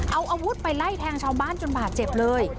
เอาอาวุธไปไล่แทงชาวบ้านจนบาดเจ็บเลย